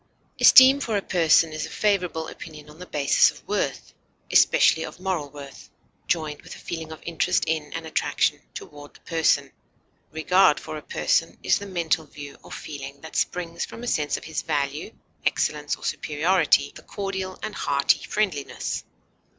Esteem for a person is a favorable opinion on the basis of worth, especially of moral worth, joined with a feeling of interest in and attraction toward the person. Regard for a person is the mental view or feeling that springs from a sense of his value, excellence, or superiority, with a cordial and hearty friendliness.